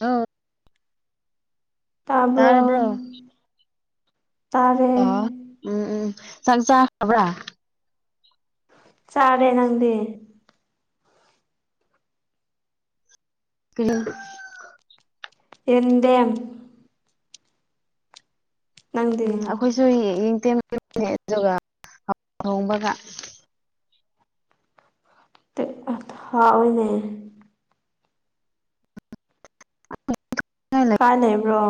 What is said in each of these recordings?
ꯑ ꯇꯥꯕꯔꯣ ꯇꯥꯔꯕ꯭ꯔꯣ ꯑ ꯎꯝ ꯎꯝ ꯆꯪ ꯆ ꯈꯕ꯭ꯔꯥ ꯆꯥꯔꯦ ꯅꯪꯗꯤ [unintelligible] ꯍꯗꯦꯝ ꯅꯪꯗꯤ ꯎꯝ ꯑꯩꯈꯣꯏꯁꯨ ꯌꯦꯡꯦꯝ ꯑꯗꯨꯒ ꯑꯣꯡꯕꯒ ꯇ ꯑ ꯍꯥꯎ ꯑꯣꯏꯅꯦ ꯀꯥꯟ ꯂꯩꯕ꯭ꯔꯣ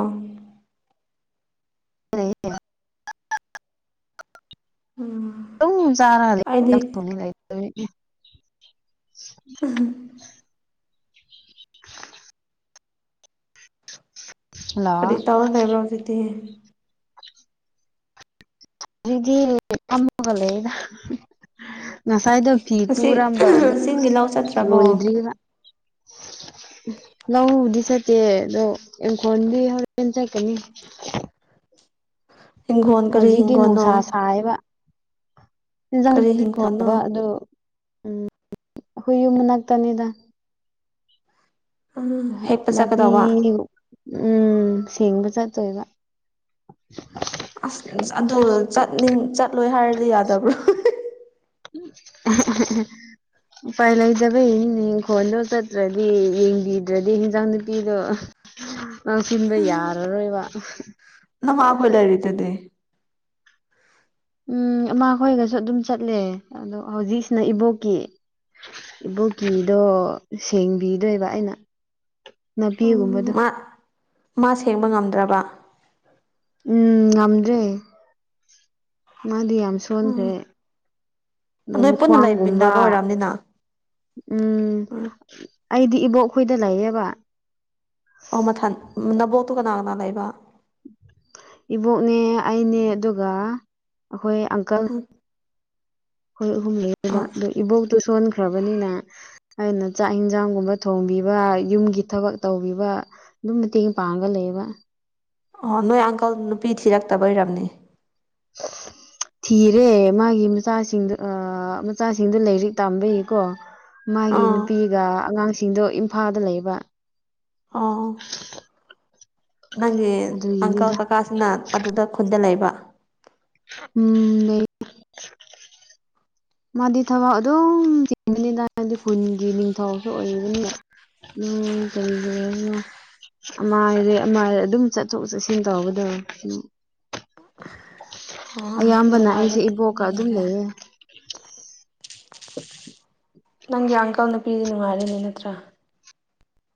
[inaudible] ꯎꯝ ꯆꯥꯔ ꯑꯩꯗꯤ ꯎꯨꯝ [inaudible] ꯀꯔꯤ ꯇꯥꯑꯣꯔꯒ ꯂꯩꯕꯔꯣ꯫ ꯑꯗꯨꯗꯤ ꯐꯝꯃ ꯂꯩ ꯉꯁꯥꯏꯗ ꯐꯤ ꯉꯁꯤ ꯇꯨꯔꯝꯕ ꯑꯣ ꯆꯤꯡꯒꯤ ꯂꯧ ꯆꯠꯇ꯭ꯔꯕꯣ ꯂꯣꯏꯗ꯭ꯔꯤꯕ [inaudible] ꯂꯧꯕꯨꯗꯤ ꯆꯠꯇꯦ ꯑꯗꯣ ꯏꯪꯈꯣꯜꯗꯤ ꯍꯧꯔꯟ ꯆꯠꯀꯅꯤ꯫ ꯍꯤꯡꯈꯣꯜ ꯀꯔꯤ ꯍꯤꯡꯒꯣꯅꯣ? ꯄꯥꯏꯕ ꯍꯤꯟꯖꯥꯡ ꯀꯔꯤ ꯄꯤ ꯍꯤꯡꯒꯣꯜꯅꯣ ꯊꯥꯕ ꯑꯗꯨ ꯎꯝ ꯍꯨꯏꯌꯨꯝ ꯃꯅꯥꯛꯇꯅꯤꯗ ꯍꯦꯛꯄ ꯅꯕꯤ ꯆꯠꯀꯗꯧꯕ ꯎꯝ ꯁꯦꯡꯕ ꯆꯠꯇꯣꯏꯕ ꯑꯁ ꯑꯗꯨ ꯆꯠꯅꯤꯡ ꯆꯠꯂꯣꯏ ꯍꯥꯏꯔꯗꯤ ꯌꯥꯗꯕ꯭ꯔꯣ? [unintelligible] ꯎꯄꯥꯏ ꯂꯩꯇꯕ ꯏꯅꯤꯪꯈꯣꯟꯗꯣ ꯆꯠꯇ꯭ꯔꯗꯤ ꯌꯦꯡꯕꯤꯗ꯭ꯔꯗꯤ ꯍꯟꯖꯥꯡ ꯅꯨꯄꯤꯗꯣ ꯅ ꯁꯤꯗ ꯌꯥꯔꯔꯣ ꯕ ꯅ ꯃꯥꯕꯂ ꯍꯔꯤꯗꯗꯤ ꯎꯝ ꯑꯃꯈꯣꯏꯒꯁꯨ ꯑꯗꯨꯝ ꯆꯠꯂꯦ ꯑꯗꯣ ꯍꯧꯖꯤꯛꯁꯤꯅ ꯏꯕꯣꯛꯀꯤ ꯏꯕꯣꯛꯀꯤꯗꯣ ꯁꯦꯡꯕꯤꯗꯣꯏꯕ ꯑꯩꯅ ꯎ ꯅꯥꯄꯤꯒꯨꯝꯕꯗꯣ ꯃꯥ ꯃꯥ ꯁꯦꯡꯕ ꯉꯝꯗ꯭ꯔꯕ ꯎꯝ ꯉꯗ꯭ꯔꯦ ꯃꯥꯗꯤ ꯌꯥꯝꯁꯨ ꯎꯝ ꯁꯣꯟꯈ꯭ꯔꯦ ꯑꯗꯣ ꯅꯣꯏ ꯄꯨꯟꯅ ꯈ꯭ꯋꯥꯡꯒꯨꯝꯕ ꯂꯩꯃꯤꯟꯅꯕ ꯑꯣꯏꯔꯝꯅꯤꯅ ꯎꯝ ꯑꯩꯗꯤ ꯏꯕꯣꯛꯈꯣꯏꯗ ꯂꯩꯌꯦꯕ ꯑꯣ ꯃꯊꯟ ꯅꯕꯣꯛꯇꯨ ꯀꯅꯥ ꯀꯅꯥ ꯂꯩꯕ ꯏꯕꯣꯛꯅꯦ ꯑꯩꯅꯦ ꯑꯗꯨꯒ ꯑꯩꯈꯣꯏ ꯑꯪꯀꯜ ꯎꯝ ꯍꯣꯏ ꯑꯍꯨꯝ ꯂꯩꯕ ꯑꯥ ꯑꯗꯨꯣ ꯏꯕꯣꯛꯇꯨ ꯁꯣꯟꯈ꯭ꯔꯕꯅꯤꯅ ꯑꯩꯅ ꯆꯥꯛ ꯌꯦꯟꯁꯥꯡꯒꯨꯝꯕ ꯊꯣꯡꯕꯤꯕ ꯌꯨꯝꯒꯤ ꯊꯕꯛ ꯇꯧꯕꯤꯕ ꯑꯗꯨꯝ ꯃꯇꯦꯡ ꯄꯥꯡꯒ ꯂꯩꯕ꯫ ꯑꯣ ꯅꯣꯏ ꯑꯪꯀꯜ ꯅꯨꯄꯤ ꯊꯤꯔꯛꯇꯕ ꯑꯣꯏꯔꯝꯅꯤ꯫ [inaudible] ꯊꯤꯔꯦ ꯃꯥꯒꯤ ꯃꯆꯥꯁꯤꯡꯗ ꯃꯆꯥꯁꯤꯡꯗ ꯂꯥꯏꯔꯤꯛ ꯇꯝꯕꯩꯒꯤꯀꯣ ꯃꯥꯒꯤ ꯑꯥ ꯅꯨꯄꯤꯒ ꯑꯉꯥꯡꯁꯤꯡꯗꯣ ꯏꯝꯐꯥꯜꯗ ꯂꯩꯕ ꯑꯣ ꯅꯪꯒꯤ ꯑꯪꯀꯜ ꯑꯗꯨꯒꯤꯅꯤꯗ ꯀꯀꯥꯁꯤꯅ ꯑꯗꯨꯗ ꯈꯨꯟꯗ ꯂꯩꯕ ꯎꯝ ꯂꯩ꯫ ꯃꯥꯗꯤ ꯊꯕꯛ ꯑꯗꯨꯝ ꯆꯤꯡꯅꯤꯗꯤ ꯈꯨꯟꯒꯤ ꯅꯤꯡꯊꯧꯁꯨ ꯑꯣꯏꯕꯅꯤ ꯎꯝ ꯀꯔꯤ ꯀꯔꯤꯅꯣ ꯑꯃꯥꯏꯔꯦ ꯑꯃꯥꯏꯔꯦ ꯑꯗꯨꯝ ꯆꯠꯊꯣꯛ ꯆꯠꯁꯤꯟ ꯇꯧꯕꯧꯕꯗ ꯑꯥ ꯑꯌꯥꯝꯕꯅ ꯑꯩꯁꯦ ꯅꯨꯡꯉꯥꯏꯔꯦꯅꯦ ꯏꯕꯣꯛꯀ ꯑꯗꯨꯝ ꯅꯨꯄꯤꯁꯤꯡꯁꯦ ꯂꯩꯌꯦ꯫ ꯅꯪꯒꯤ ꯑꯪꯀꯜ ꯅꯨꯄꯤꯗꯤ ꯅꯨꯡꯉꯥꯏꯔꯤꯅꯤ ꯅꯠꯇ꯭ꯔꯥ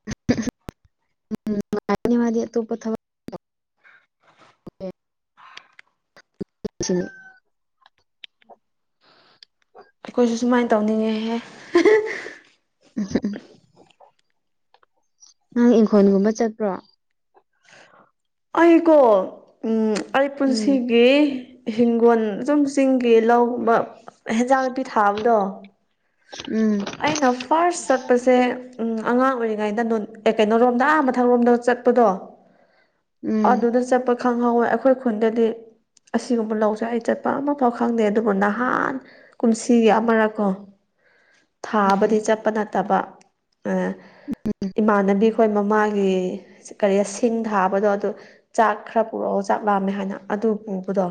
[unintelligible] [inaudible] ꯑꯩꯈꯣꯏꯁꯨ ꯁꯨꯃꯥꯏꯅ ꯇꯧꯅꯤꯡꯉꯦꯍꯦ ꯎꯝ ꯅꯪ ꯏꯪꯈꯣꯜꯒꯨꯝꯕ ꯆꯠꯄ꯭ꯔꯣ? ꯑꯩꯀꯣ ꯎꯝ ꯑꯩ ꯎꯝ ꯄꯨꯟꯁꯤꯒꯤ ꯍꯤꯡꯒꯣꯜ ꯁꯨꯝ ꯆꯤꯡꯒꯤ ꯂꯧꯕ ꯍꯦꯟꯖꯥꯡ ꯅꯨꯄꯤ ꯊꯥ ꯑꯗꯣ ꯎꯝ ꯑꯩꯅ ꯐꯥꯔꯁ ꯆꯠꯄꯁꯦ ꯑꯉꯥꯡ ꯑꯣꯏꯔꯤꯉꯩꯗ ꯅ ꯑꯦ ꯀꯩꯅꯣꯣꯔꯣꯝꯗ ꯑꯥ ꯃꯊꯪꯔꯣꯝꯗ ꯆꯠꯄꯗꯣ ꯎꯝ ꯑꯗꯨꯗ ꯆꯠꯄ ꯈꯪꯍꯧꯋꯦ ꯑꯩꯈꯣꯏ ꯈꯨꯟꯗꯗꯤ ꯑꯁꯤꯒꯨꯝꯕ ꯂꯧꯁꯦ ꯑꯩ ꯆꯠꯄ ꯑꯃꯐꯥꯎ ꯈꯪꯗꯦ ꯑꯗꯨꯕꯨ ꯅꯍꯥꯟ ꯀꯨꯝꯁꯤꯒꯤ ꯑꯃꯔꯛꯀꯣ ꯊꯥꯕꯗꯤ ꯆꯠꯄ ꯅꯠꯇꯕ ꯏꯃꯥꯟꯅꯕꯤ ꯑꯩꯈꯣꯏ ꯃꯃꯥꯒꯤ ꯀꯔꯤ ꯁꯤꯡ ꯊꯥꯕꯗꯣ ꯑꯗꯨ ꯆꯥꯛ ꯈꯔ ꯄꯨꯔꯛꯑꯣ ꯆꯥꯛ ꯂꯥꯝꯃꯦ ꯍꯥꯏꯅ ꯑꯗꯨ ꯄꯨꯕꯗꯣ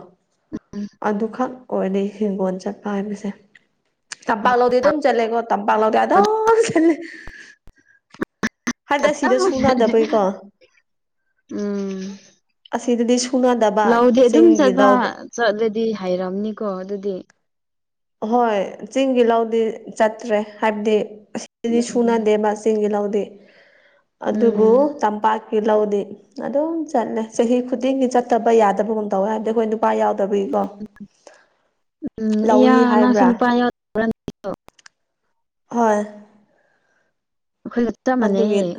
ꯑꯗꯨꯈꯛ ꯑꯣꯏꯗꯤꯩ ꯍꯤꯡꯒꯣꯜ ꯆꯠꯄ ꯍꯥꯏꯕꯁꯦ ꯇꯝꯄꯥꯛꯂꯥꯎꯗꯤ ꯑꯗꯨꯝ ꯆꯜꯂꯦꯀꯣ ꯇꯝꯄꯥꯛꯂꯥꯎꯗꯤ ꯑ ꯑꯗꯨꯝ ꯆꯜꯂꯦ ꯍꯥꯏꯗꯤ ꯑꯁꯤꯗ ꯁꯨ ꯅꯥꯗꯕꯩꯀꯣ ꯎꯝ ꯑꯁꯤꯗꯗꯤ ꯁꯨꯅꯗꯕ ꯆꯤꯡꯒꯤ ꯂꯥꯎꯗꯣ ꯆꯠ ꯑꯗꯨꯗꯤ ꯍꯥꯏꯔꯑꯝꯅꯤꯀꯣ ꯑꯗꯨꯗꯤ ꯑꯍꯣꯏ ꯆꯤꯡꯒꯤ ꯂꯧꯗꯤ ꯆꯠꯇ꯭ꯔꯦ ꯍꯥꯏꯕꯗꯤ ꯑꯁꯤꯗꯤ ꯎꯝ ꯁꯨꯅꯗꯦꯕꯁ ꯆꯤꯡꯒꯤ ꯂꯧꯗꯦ ꯎꯝ ꯑꯗꯨꯕꯨ ꯆꯝꯄꯥꯛ ꯂꯧꯗꯤ ꯑꯗꯨꯝ ꯆꯠꯂꯦ ꯆꯍꯤ ꯈꯨꯗꯤꯡꯒꯤ ꯆꯠꯇꯕ ꯌꯥꯗꯕꯒꯨꯝ ꯇꯧꯋꯦ ꯍꯥꯏꯕꯗꯤ ꯑꯩꯈꯣꯏ ꯅꯨꯄꯥ ꯌꯥꯎ ꯎꯝ ꯏ ꯂꯧꯔꯤ ꯅ ꯍꯥꯏꯕ꯭ꯔꯥ ꯁꯟ ꯄꯥꯏ ꯍꯣꯏ ꯍꯈꯣꯏ ꯑꯗꯨꯋꯠ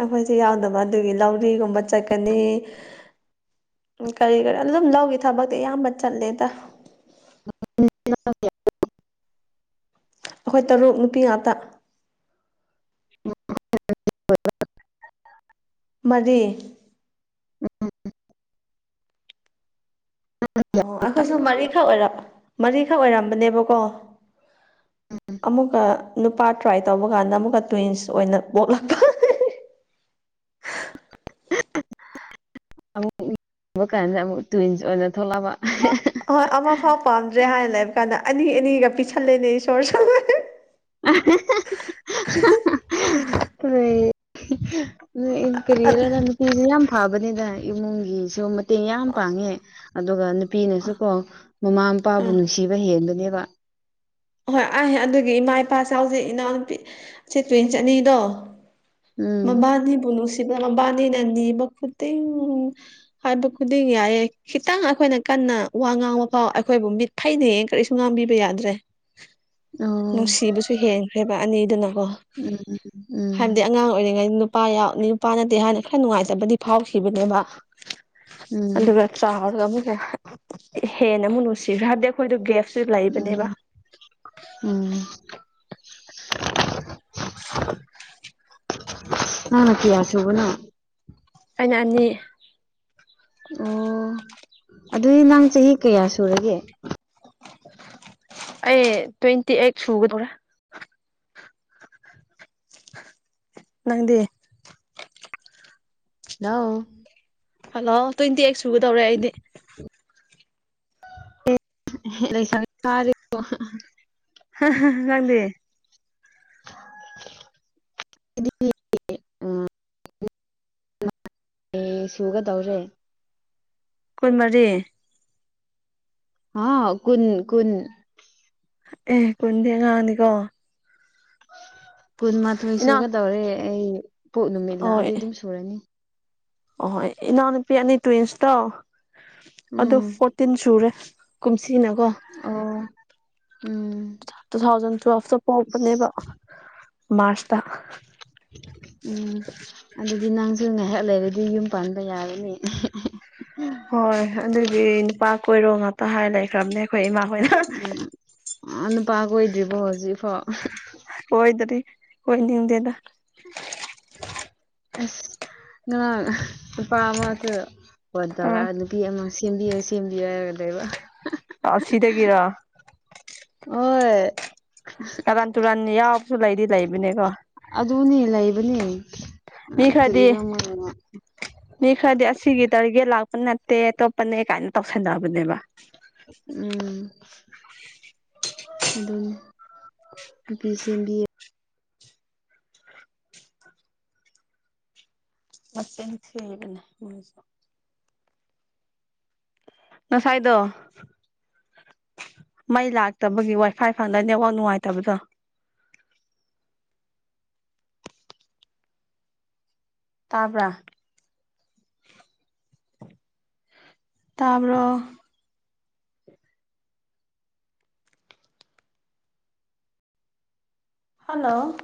ꯑꯩꯈꯣꯏꯁꯦ ꯌꯥꯎꯗꯕ ꯑꯗꯨꯒꯤ ꯂꯧꯔꯤꯒꯨꯝꯕ ꯆꯠꯀꯅꯤ ꯀꯔꯤ ꯀꯔꯤ ꯑꯗꯨꯝ ꯂꯧꯈꯤ ꯊꯕꯛꯇꯤ ꯑꯌꯥꯝꯕ ꯆꯠꯂꯦꯗ [unintelligible] ꯑꯩꯈꯣꯏ ꯇꯔꯨꯛ ꯅꯨꯄꯤ ꯉꯥꯛꯇ [unintelligible] ꯃꯔꯤ ꯎꯝ [unintelligible] ꯑꯣ ꯑꯈꯣꯏ ꯁꯨ ꯃꯥꯔꯤ ꯈꯥꯛ ꯑꯣꯏꯔꯝ ꯃꯥꯔꯤ ꯈꯥꯛ ꯑꯣꯏꯔꯃꯕꯅꯦ ꯕꯥ ꯀꯣ ꯑꯃꯨꯛꯀ ꯅꯨꯄꯥ ꯇ꯭ꯔꯥꯏ ꯇꯧꯕ ꯀꯥꯟꯗ ꯑꯃꯨꯛꯀ ꯇ꯭ꯋꯤꯟꯁ ꯑꯣꯏꯅ ꯄꯣꯛꯂꯛꯄ ꯑꯃꯨꯛ ꯌꯦ ꯌꯦꯕ ꯀꯥꯟꯗ ꯑꯃꯨꯛ ꯇ꯭ꯋꯤꯟꯁ ꯑꯣꯏꯅ ꯊꯣꯛꯂꯛꯑꯕ ꯑꯍꯣꯏ ꯑꯃ ꯐꯥꯎ ꯄꯥꯝꯗ꯭ꯔꯦ ꯍꯥꯏꯅ ꯂꯩꯕ ꯀꯥꯟꯗ ꯑꯅꯤ ꯑꯅꯤꯒ ꯄꯤꯁꯜꯂꯦꯅꯦ ꯏꯁꯣꯔ ꯁ [unintelligible] ꯀꯦꯔꯤꯌꯔꯗ ꯅꯨꯄꯤꯁꯤꯦ ꯌꯥꯝ ꯐꯥꯕꯅꯤꯗ ꯏꯃꯨꯡꯒꯤꯁꯨ ꯃꯇꯦꯡ ꯌꯥꯝꯝ ꯄꯥꯉ꯭ꯒꯦ ꯑꯗꯨꯒꯥ ꯅꯨꯄꯤ ꯅꯥ ꯁꯨ ꯀꯣ ꯃꯥꯃꯥ ꯃꯄꯥ ꯅꯁꯨ ꯅꯨꯡꯀꯕꯥ ꯍꯦꯅꯕꯅꯦ ꯕꯥ ꯍꯣꯏ ꯑꯩ ꯑꯗꯨꯒꯤ ꯏꯃꯥ ꯏꯄꯥ ꯆꯥꯎꯖꯦ ꯏꯅꯥꯎꯅꯨꯄꯤ ꯁ ꯇꯨꯋꯦꯟ ꯆꯅꯤꯗꯣ ꯎꯝ ꯃꯕꯥꯅꯤ ꯕꯨ ꯅꯨꯡꯁꯤꯕꯥ ꯃꯕꯥꯅꯤ ꯅ ꯅꯤꯕ꯭ꯕꯥ ꯈꯨꯗꯤꯡ ꯍꯥꯌꯕꯥ ꯈꯨꯗꯤꯡ ꯌꯥꯏꯌꯦ ꯈꯤꯇꯪ ꯑꯩꯈꯣꯏꯅ ꯀꯟꯅ ꯋꯥ ꯉꯥꯡꯕ ꯐꯥꯎ ꯑꯩꯈꯣꯏꯕꯨ ꯃꯤꯠ ꯐꯩꯅꯌꯦꯅ ꯀꯔꯤꯁꯨ ꯉꯥꯡꯕꯤꯕ ꯌꯥꯗ꯭ꯔꯦ ꯑꯣ ꯅꯨꯡꯁꯤꯕꯁꯨ ꯍꯦꯟꯈ꯭ꯔꯦꯕ ꯑꯅꯤꯗꯨꯅꯀꯣ ꯎꯝ ꯎꯝ ꯍꯥꯏꯕꯗꯤ ꯑꯉꯥꯡ ꯑꯣꯏꯔꯤꯉꯩꯗ ꯅꯨꯄꯥ ꯌꯥꯎ ꯅꯨꯄꯥ ꯅꯠꯇꯦ ꯍꯥꯟꯅ ꯈꯔ ꯅꯨꯡꯉꯥꯏꯖꯕꯗꯤ ꯐꯥꯎꯈꯤꯕꯅꯦꯕ ꯎꯝ ꯑꯗꯨꯒ ꯆꯥꯎꯔꯒ ꯑꯃꯨꯛ ꯍ ꯍꯦꯟꯅ ꯑꯃꯨꯛ ꯅꯨꯡꯁꯤꯈ꯭ꯔ ꯍꯥꯏꯕꯗꯤ ꯑꯩꯈꯣꯏꯗ ꯒꯦꯐ ꯎꯝ ꯎꯝ ꯑ ꯀꯤꯌꯥꯁꯕꯣꯅ ꯑꯩꯅ ꯑꯅꯤ ꯑꯣ ꯑꯗꯨꯗꯤ ꯅꯍꯪ ꯆꯍꯤ ꯀꯌꯥ ꯁꯨꯔꯒꯦ ꯑꯩ ꯇ꯭ꯋꯦꯟꯇꯤ ꯑꯩꯠ ꯁꯨꯒꯗꯧꯔꯥ ꯅꯪꯗꯤ ꯅꯧ ꯍꯜꯂꯣ ꯇ꯭ꯋꯦꯟꯇꯤ ꯑꯩꯠ ꯁꯨꯒꯗꯧꯔꯦ ꯑꯩꯗꯤ [unintelligible] ꯑꯦꯟ. ꯖꯤ. ꯖꯤ. ꯗꯤ [inaudible] ꯁꯨꯒ ꯇꯧꯔꯦ ꯀꯨꯅꯃꯥꯔꯤ꯫ ꯑ ꯀꯨꯟ ꯀꯨꯟ ꯑꯦ ꯀꯨꯟꯗꯤꯦ ꯉꯥꯡꯅꯤꯀꯣ ꯀꯨꯟꯃꯥꯊꯣꯏ ꯏꯅꯥꯎ ꯁꯨꯒꯗꯧꯔꯦ ꯑꯩ ꯄꯣꯛ ꯅꯨꯃꯤꯠ ꯂꯥꯛꯑꯗꯤ ꯑꯗꯨꯝ ꯁꯨꯔꯅꯤ ꯍꯣꯏ ꯑꯦꯅꯥꯑꯣꯅꯨꯄꯤ ꯇ꯭ꯔꯤꯅꯤꯁ ꯗꯣ ꯑꯗꯨ ꯎꯝ ꯐꯣꯔꯇꯤꯟ꯫ ꯇꯤꯟ ꯁꯨꯔꯦ ꯀꯨꯃꯁꯤ ꯅꯥ ꯀꯣ꯫ ꯑꯣ ꯎꯝ ꯂꯤꯁꯤꯡ ꯑꯅꯤ ꯇꯔꯥ ꯗꯥ ꯄꯣꯀꯄꯅꯦ ꯕꯥ ꯃꯥꯔꯆ ꯗꯥ꯫ ꯎꯝ ꯑꯗꯨꯗꯤ ꯅꯪꯁꯨ ꯉꯥꯏꯍꯥꯛ ꯂꯩꯔꯗꯤ ꯌꯨꯝ ꯄꯥꯟꯕ ꯌꯥꯔꯅꯤ ꯍꯣꯏ ꯑꯗꯨꯒꯤ ꯅꯨꯄꯥ ꯀꯣꯏꯔꯣ ꯉꯥꯛꯇ ꯍꯥꯏꯔ ꯂꯩꯈ꯭ꯔꯕꯅꯦ ꯑꯩꯈꯣꯏ ꯏꯃꯥꯈꯣꯏꯅ ꯅꯨꯄꯥ ꯀꯣꯏꯗ꯭ꯔꯤ ꯕꯣ ꯍꯥꯑꯣꯖꯤꯛ ꯐꯑꯣ꯫ ꯍꯣꯏꯗ꯭ꯔꯤ ꯍꯣꯏꯅꯤꯝꯗꯦꯗ ꯑꯁ ꯉꯔꯥꯡ ꯅꯨꯨꯄꯥ ꯑꯃ ꯍ ꯇꯔꯥ ꯑꯥ ꯅꯨꯄꯤ ꯑꯃ ꯁꯦꯝꯕꯤꯌꯨ ꯁꯦꯝꯕꯤꯌꯨ ꯌꯥꯒꯗꯣꯏꯕ ꯑꯣꯍ ꯁꯤꯗꯥ ꯒꯤꯔꯣ꯫ ꯍꯣꯏ꯫ ꯀꯔꯟ ꯇꯨꯔꯥꯟ ꯌꯥꯎꯕꯁꯨ ꯂꯩꯗꯤ ꯂꯩꯕꯅꯦꯀꯣ ꯑꯗꯨꯅꯦ ꯂꯩꯕꯅꯦ ꯃꯤ ꯈꯔꯗꯤ ꯀꯔꯤꯔꯝꯃꯅꯣ ꯃꯤ ꯈꯔꯗꯤ ꯑꯁꯤꯒꯤ ꯇꯥꯔꯒꯦꯠ ꯂꯥꯛꯄ ꯅꯠꯇꯦ ꯑꯇꯣꯞꯄꯅꯦ ꯀꯥꯏꯅ ꯇꯧꯁꯟꯅꯕꯅꯦꯕ ꯎꯝ ꯑꯗꯨꯅꯦ꯫ ꯅꯨꯄꯤ ꯁꯦꯝꯕꯤꯌꯣ꯫ ꯃꯦꯁꯤꯟ ꯊꯤꯕꯅꯦ꯫ ꯉ꯭ꯒꯥꯁꯥꯏ ꯇꯧꯕꯥ꯫ ꯃꯩ ꯂꯥꯛꯇꯕꯒꯤ ꯋꯥꯏꯐꯥꯏ ꯐꯪꯘ ꯅꯦꯠꯋꯥꯛ ꯅꯨꯡꯉꯥꯏꯇꯕꯗꯣ ꯇꯥꯕ꯭ꯔꯥ ꯇꯥꯕ꯭ꯔꯣ ꯍꯜꯂꯣ